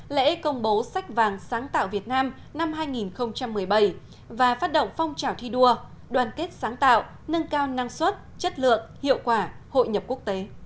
lễ công bố sách vàng sáng tạo việt nam năm hai nghìn một mươi bảy và phát động phong trào thi đua đoàn kết sáng tạo nâng cao năng suất chất lượng hiệu quả hội nhập quốc tế